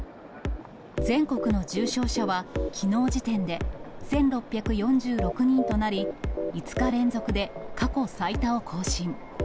全国の重症者はきのう時点で１６４６人となり、５日連続で過去最多を更新。